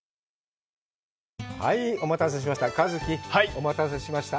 お待たせしました。